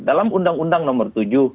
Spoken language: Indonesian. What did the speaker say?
dalam undang undang nomor tujuh